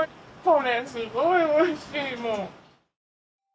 これすごくおいしいもう。